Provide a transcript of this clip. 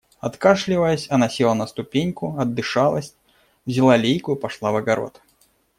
Откашливаясь, она села на ступеньку, отдышалась, взяла лейку и пошла в огород.